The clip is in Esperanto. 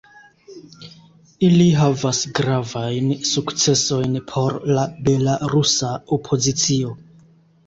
Ili havas gravajn sukcesojn por la belarusa opozicio.